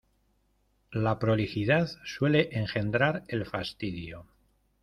La prolijidad suele engendrar el fastidio.